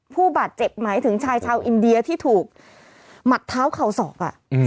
ผู้บาดเจ็บหมายถึงชายชาวอินเดียที่ถูกหมัดเท้าเข่าศอก